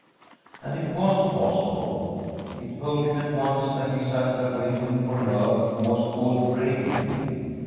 And it was possible. He told him at once that he sat there waiting for her who was called Grave Lily.